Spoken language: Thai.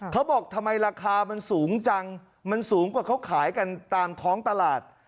เขาบอกทำไมราคามันสูงจังมันสูงกว่าเขาขายกันตามท้องตลาด